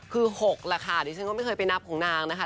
คือ๖แหละค่ะดิฉันก็ไม่เคยไปนับของนางนะคะ